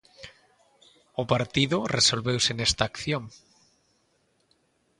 O partido resolveuse nesta acción.